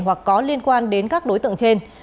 hoặc có liên quan đến các đối tượng trên